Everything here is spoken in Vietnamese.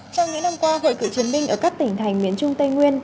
trong những năm qua hội cựu chiến binh ở các tỉnh thành miền trung tây nguyên